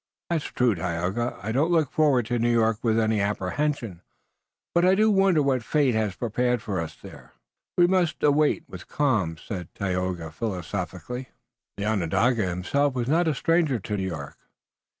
"That's true, Tayoga. I don't look forward to New York with any apprehension, but I do wonder what fate has prepared for us there." "We must await it with calm," said Tayoga philosophically. The Onondaga himself was not a stranger to New York.